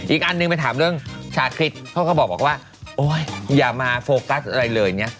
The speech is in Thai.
อีกอันหนึ่งไปถามเรื่องชาคริสเขาก็บอกว่าโอ๊ยอย่ามาโฟกัสอะไรเลยเนี่ย